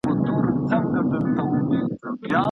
حفظول د زده کړي یوه ټیټه کچه ده.